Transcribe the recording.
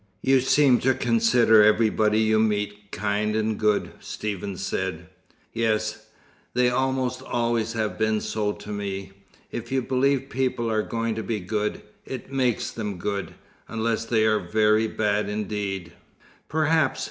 "You seem to consider everybody you meet kind and good," Stephen said. "Yes, they almost always have been so to me. If you believe people are going to be good, it makes them good, unless they're very bad indeed." "Perhaps."